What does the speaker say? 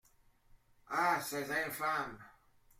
Ah ! c'est infâme.